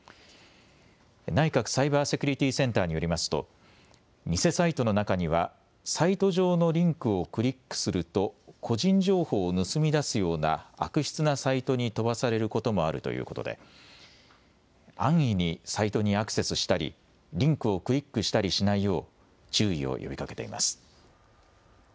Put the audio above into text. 内閣サイバーセキュリティセンターによりますと偽サイトの中にはサイト上のリンクをクリックすると個人情報を盗み出すような悪質なサイトに飛ばされることもあるということで安易にサイトにアクセスしたりリンクをクリックしたりしないよう注意を呼びかけています。